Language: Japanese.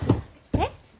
えっ？